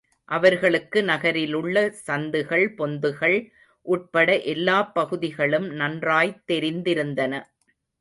அவர்களுக்கு நகரிலுள்ள சந்துக்கள், பொந்துக்கள் உட்பட எல்லாப் பகுதிகளும் நன்றாய்த் தெரிந்திருந்தன.